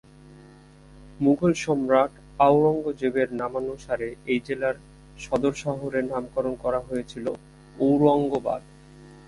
মুঘল সম্রাট আওরঙ্গজেবের নামানুসারে এই জেলার সদর শহরের নামকরণ করা হয়েছিল ঔরঙ্গাবাদ।